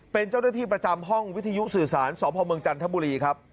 เป็นเจ้าหน้าที่ประจำห้องวิทยุสื่อสารสพเมืองจันทบุรีครับ